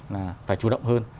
là phải chủ động hơn